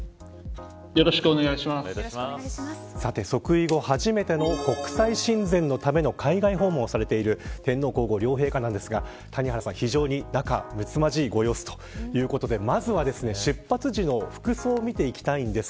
さて、即位後初めての国際親善のための海外訪問をされている天皇皇后両陛下なんですが非常に仲むつまじいご様子ということでまずは出発時の服装を見ていきます。